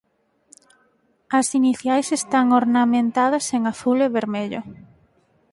As iniciais están ornamentadas en azul e vermello.